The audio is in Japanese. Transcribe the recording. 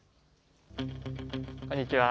こんにちは。